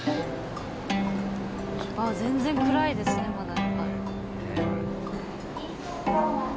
全然暗いですねまだ。